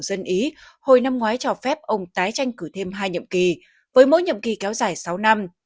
dân ý hồi năm ngoái cho phép ông tái tranh cử thêm hai nhiệm kỳ với mỗi nhiệm kỳ kéo dài sáu năm